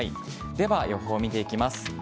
では予報見ていきます。